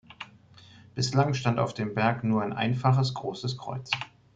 Bislang stand auf dem Berg nur ein einfaches großes Kreuz.